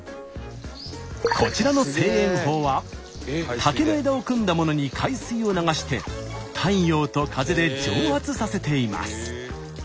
こちらの製塩法は竹の枝を組んだものに海水を流して太陽と風で蒸発させています。